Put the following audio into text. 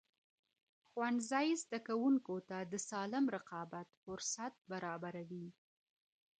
ښوونځی زدهکوونکو ته د سالم رقابت فرصت برابروي.